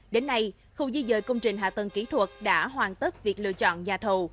đến nay khu di dời công trình hạ tầng kỹ thuật đã hoàn tất việc lựa chọn nhà thầu